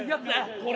これ。